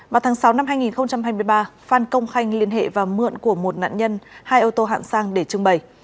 vào tháng sáu năm hai nghìn hai mươi ba phan công khanh liên hệ và mượn của một nạn nhân hai ô tô hạng sang để trưng bày